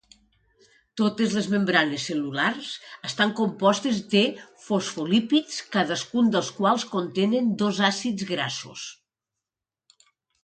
Totes les membranes cel·lulars estan compostes de fosfolípids, cadascun dels quals contenen dos àcids grassos.